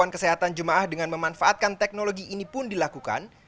kesehatan jemaah dengan memanfaatkan teknologi ini pun dilakukan